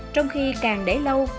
trong khi càng để lâu